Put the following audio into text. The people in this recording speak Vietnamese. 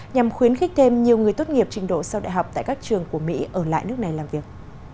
nhằm khuyến khích thêm nhiều người tốt nghiệp trình độ sau đại học tại các trường của mỹ ở lại nước này làm việc